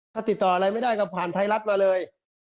ถ้าติดต่ออะไรไม่ได้ก็ผ่านไทยรัฐมาเลย